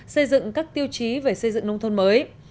xây dựng các tiêu chí về xây dựng nông thôn mới